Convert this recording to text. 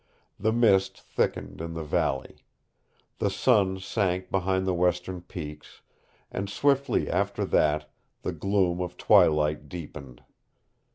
The mist thickened in the valley. The sun sank behind the western peaks, and swiftly after that the gloom of twilight deepened.